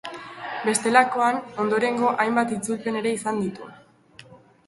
Bestelakoan, ondorengo hainbat itzulpen ere izan ditu.